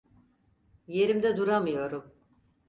Yerimde duramıyorum.